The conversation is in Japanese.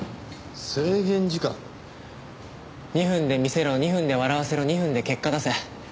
２分で見せろ２分で笑わせろ２分で結果出せ。